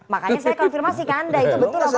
makanya saya konfirmasi ke anda itu betul apa